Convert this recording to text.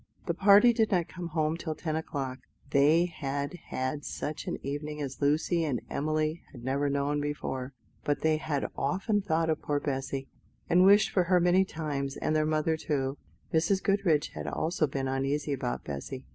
The party did not come home till ten o'clock; they had had such an evening as Lucy and Emily had never known before; but they had often thought of poor Bessy, and wished for her many times, and their mother too. Mrs. Goodriche had also been uneasy about Bessy.